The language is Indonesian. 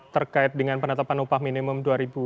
terkait dengan penetapan upah minimum dua ribu dua puluh